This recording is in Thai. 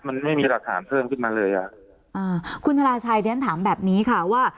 มันไม่มีหลักฐานเพิ่มขึ้นมาเลยอ่ะอ่าคุณธนาชัยเรียนถามแบบนี้ค่ะว่า